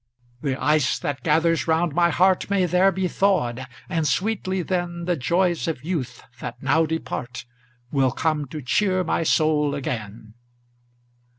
The ice that gathers round my heart May there be thawed; and sweetly, then, The joys of youth, that now depart, Will come to cheer my soul again.